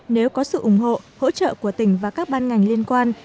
nếu có sự ủng hộ hỗ trợ của tỉnh và các ban ngành liên quan